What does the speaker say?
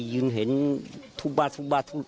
ยืนเห็นทุกบ้านทุกบ้าน